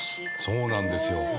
そうなんですよ。